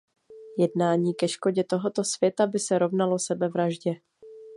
Jednání ke škodě tohoto světa by se rovnalo sebevraždě.